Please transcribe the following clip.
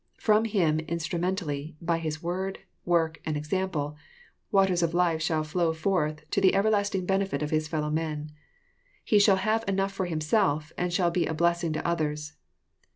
From him instru mentally, by his word, work,"aM~example, waters of life shall flow forth to the everlasting benefit of his fellow men. He shall have enough for himself, and shall be a blessing to others.